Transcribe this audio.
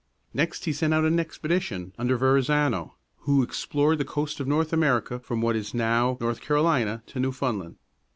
Next, he sent out an expedition under Verrazano (ver rah tsah´no), who explored the coast of North America from what is now North Car o li´na to Newfoundland.